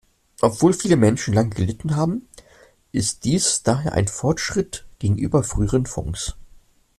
Obwohl viele Menschen lange gelitten haben, ist dies daher ein Fortschritt gegenüber früheren Fonds.